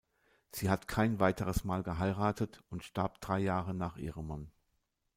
Sie hat kein weiteres Mal geheiratet und starb drei Jahre nach ihrem Mann.